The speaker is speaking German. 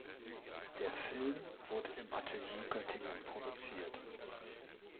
Der Film wurde im Atelier Göttingen produziert.